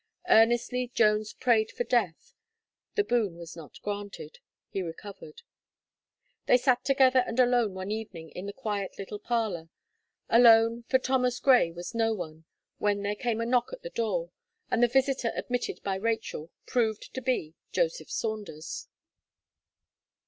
Earnestly Jones prayed for death: the boon was not granted; he recovered. They sat together and alone one evening in the quiet little parlour alone, for Thomas Gray was no one, when there came a knock at the door, and the visitor admitted by Rachel, proved to be Joseph Saunders.